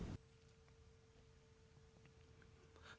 và mở cửa trở lại trường hợp